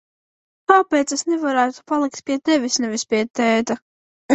Kāpēc es nevarētu palikt pie tevis, nevis pie tēta?